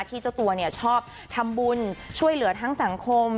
เจ้าตัวชอบทำบุญช่วยเหลือทั้งสังคม